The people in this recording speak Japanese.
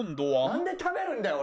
なんで食べるんだよ俺は！